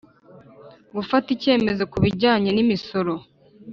Gufata icyemezo ku bijyanye n imisoro